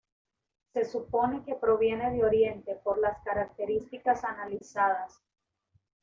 Se supone que proviene de Oriente, por las características analizadas.